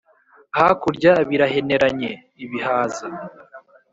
Hakurya biraheneranye-Ibihaza.